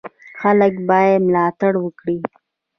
خلک باید ملاتړ وکړي.